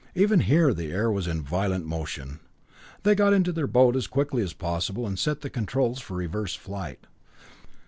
Even here the air was in violent motion. They got into their boat as quickly as possible, and set the controls for reverse flight.